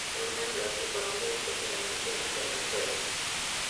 Habita en Brasil, Colombia y posiblemente en Venezuela.